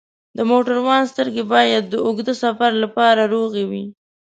د موټروان سترګې باید د اوږده سفر لپاره روغې وي.